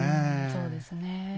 そうですねえ。